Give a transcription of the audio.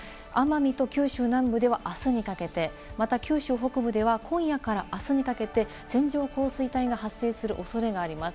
奄美と九州南部ではあすにかけて、また九州北部では今夜からあすにかけて線状降水帯が発生する恐れがあります。